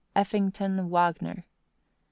Effington Wagner. 5.